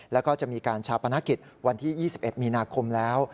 แล้วก็จะมีการชาปนกิจวันที่๒๑มีนาคมแล้ว